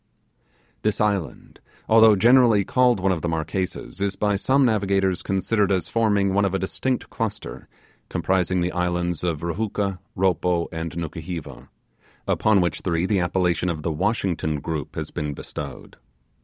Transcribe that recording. This island, although generally called one of the Marquesas, is by some navigators considered as forming one of a distinct cluster, comprising the islands of Ruhooka, Ropo, and Nukuheva; upon which three the appellation of the Washington Group has been bestowed.